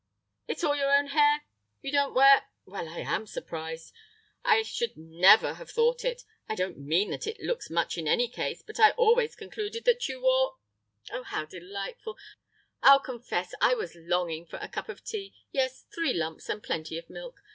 "It's all your own hair? You don't wear—— Well, I am surprised! I should never have thought it!! I don't mean that it looks much in any case, but I always concluded that you wore—— "Oh, how delightful! I'll confess I was longing for a cup of tea.... Yes, three lumps and plenty of milk.